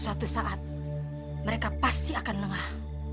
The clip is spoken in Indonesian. suatu saat mereka pasti akan lengah